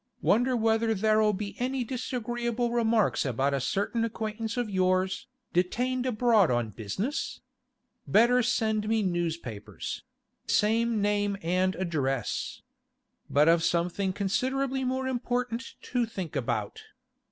Wonder whether there'll be any disagreeable remarks about a certain acquaintance of yours, detained abroad on business? Better send me newspapers—same name and address. ... But I've something considerably more important to think about. ...